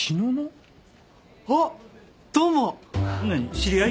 知り合い？